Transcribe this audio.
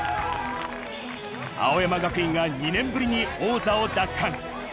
青山学院が２年ぶりに王座を奪還。